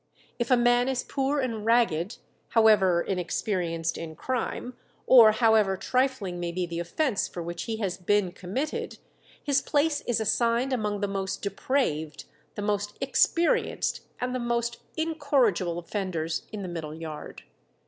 If a man is poor and ragged, however inexperienced in crime, or however trifling may be the offence for which he has been committed, his place is assigned among the most depraved, the most experienced, and the most incorrigible offenders in the middle yard."